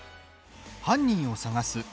犯人を探す